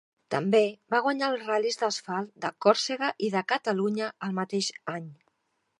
També va guanyar els ral·lis d'asfalt de Còrsega i de Catalunya el mateix any.